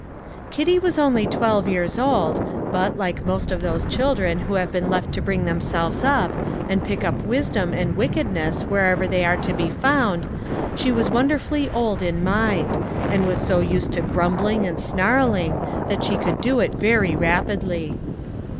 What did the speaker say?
Kitty was only twelve years old, but, like most of those children who have been left to bring themselves up, and pick up wisdom and wickedness wherever they are to be found, she was wonderfully old in mind; and was so used to grumbling and snarling, that she could do it very rapidly.